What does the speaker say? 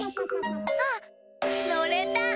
あっのれた！